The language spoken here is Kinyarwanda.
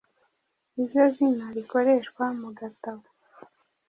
niryo zina rikoreshwa mu gatabo